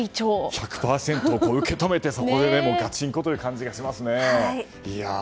１００％受け止めてガチンコという感じがしますね。